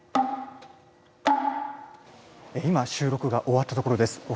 今収録が終わったところです。